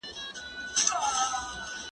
زه اجازه لرم چي مځکي ته وګورم!؟